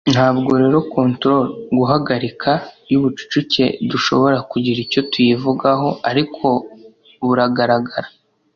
Ntabwo rero 'control' [guhagarika] y'ubucucike dushobora kugira icyo tuyivugaho, ariko buragaragara".